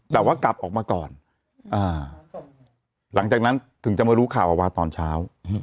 แต่ว่ากลับออกมาก่อนหลังจากนั้นถึงจะมารู้ข่าวออกมาตอนเช้า